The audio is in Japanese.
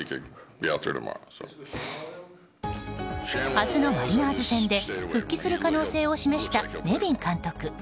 明日のマリナーズ戦で復帰する可能性を示したネビン監督。